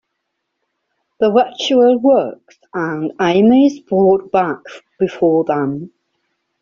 The ritual works and Amy is brought back before them.